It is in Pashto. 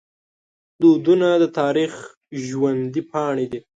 دودونه د تاریخ ژوندي پاڼې دي.